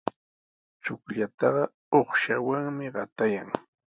Chukllataqa uqshawanmi qatayan.